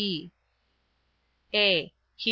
(e) (a) Heb.